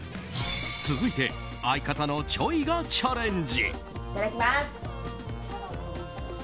続いて相方のｃｈｏｙがチャレンジ。